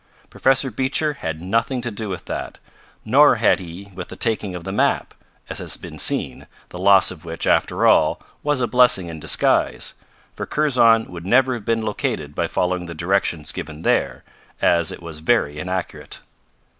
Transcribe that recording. Professor Beecher had nothing to do with that, nor had he with the taking of the map, as has been seen, the loss of which, after all, was a blessing in disguise, for Kurzon would never have been located by following the directions given there, as it was very inaccurate.